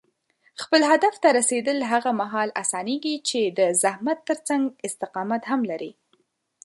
خپل هدف ته رسېدل هغه مهال اسانېږي چې د زحمت ترڅنګ استقامت هم لرې.